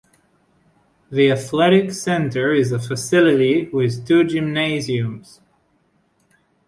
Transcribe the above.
The Athletic Center is a facility with two gymnasium.